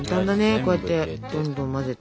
こうやってどんどん混ぜて。